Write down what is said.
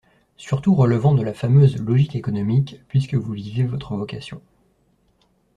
surtout relevant de la fameuse 'logique économique' : puisque vous vivez votre vocation